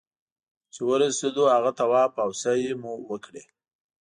چې ورسېدو هغه طواف او سعيې مو وکړې.